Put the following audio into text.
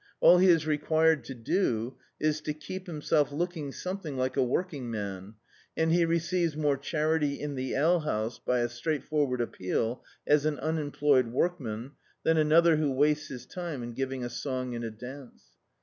All he is required to do is to keep himself looking some thing like a working man, and he receives more charity in the alehouse by a strai^tforward appeal as an unemployed workman, than another who wastes his time in giving a song and a dance.